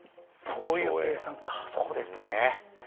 そういう計算そうですね。